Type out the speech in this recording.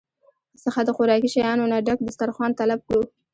څخه د خوراکي شيانو نه ډک دستارخوان طلب کړو